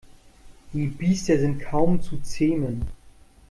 Die Biester sind kaum zu zähmen.